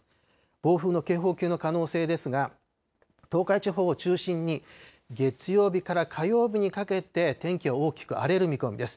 暴風の警報級の可能性ですが、東海地方を中心に月曜日から火曜日にかけて天気は大きく荒れる見込みです。